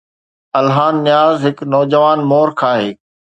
الهان نياز هڪ نوجوان مورخ آهي.